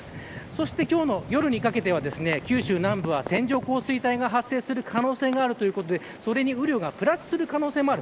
そして今日の夜にかけては九州南部は線状降水帯が発生する可能性があるということでそれに雨量がプラスする可能性もある。